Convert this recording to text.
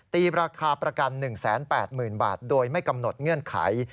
ราคาประกัน๑๘๐๐๐บาทโดยไม่กำหนดเงื่อนไข